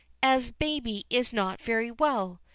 "As baby is not very well?